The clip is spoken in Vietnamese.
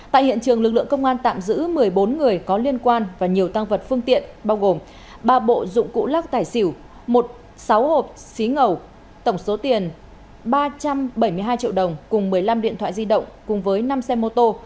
tại hiện trường lực lượng công an tạm giữ một mươi bốn người có liên quan và nhiều tăng vật phương tiện bao gồm ba bộ dụng cụ lắc tài xỉu một sáu hộp xí ngầu tổng số tiền ba trăm bảy mươi hai triệu đồng cùng một mươi năm điện thoại di động cùng với năm xe mô tô